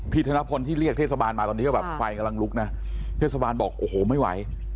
ธนพลที่เรียกเทศบาลมาตอนนี้ก็แบบไฟกำลังลุกนะเทศบาลบอกโอ้โหไม่ไหว